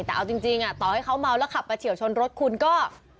แต่เอาจริงต่อให้เขาเมาแล้วขับไปเฉียวชนรถคุณก็